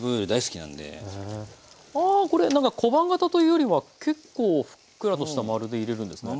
ああこれ何か小判形というよりは結構ふっくらとした丸で入れるんですね。